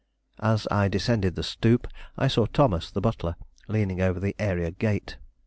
As I descended the stoop, I saw Thomas, the butler, leaning over the area gate.